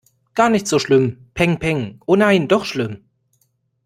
Gar nicht so schlimm. Pengpeng. Oh nein, doch schlimm!